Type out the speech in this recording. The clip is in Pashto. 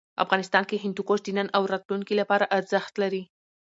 افغانستان کې هندوکش د نن او راتلونکي لپاره ارزښت لري.